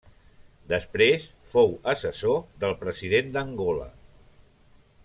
Després fou assessor del president d'Angola.